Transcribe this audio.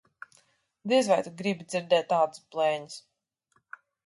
Diez vai tu gribi dzirdēt tādas blēņas.